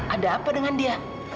ada apa dengan dia